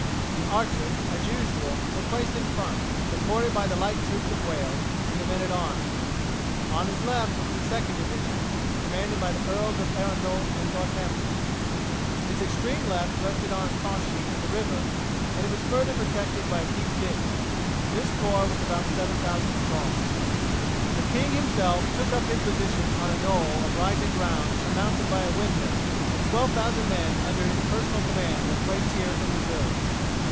The archers, as usual, were placed in front, supported by the light troops of Wales and the men at arms; on his left was the second division, commanded by the Earls of Arundel and Northampton; its extreme left rested on Canchy and the river, and it was further protected by a deep ditch; this corps was about 7000 strong. The king himself took up his position on a knoll of rising ground surmounted by a windmill, and 12,000 men under his personal command were placed here in reserve.